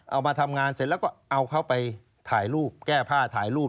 เอามาทำงานเสร็จแล้วก็เอาเขาไปถ่ายรูปแก้ผ้าถ่ายรูป